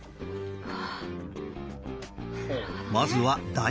うわ！